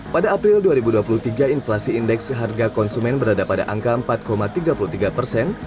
pada april dua ribu dua puluh tiga inflasi indeks harga konsumen berada pada angka empat tiga puluh tiga persen